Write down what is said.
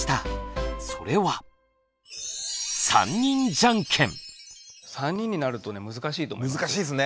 それは３人になるとね難しいと思います。